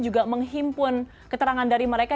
juga menghimpun keterangan dari mereka